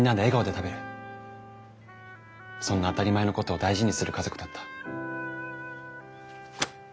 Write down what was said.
そんな当たり前のことを大事にする家族だった。